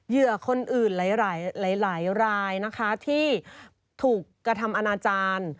เหยื่อคนอื่นหลายหลายรายนะคะที่ถูกกระทำอนาจารย์